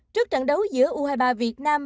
trước trận đấu giữa u hai mươi ba việt nam